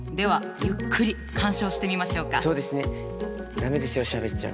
駄目ですよしゃべっちゃ。